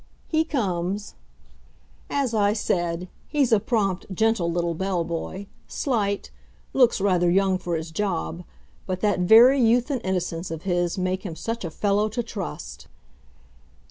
He comes. As I said, he's a prompt, gentle little bell boy, slight, looks rather young for his job, but that very youth and innocence of his make him such a fellow to trust!